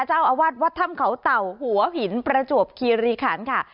เจ้าอาวาสวัดถ้ำเขาเต่าหัวหินประจวบคีรีขันค่ะ